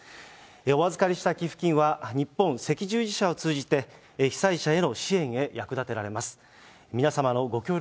お預かりした寄付金は、日本赤十字社を通じて、被災者への支援へ役立てられます。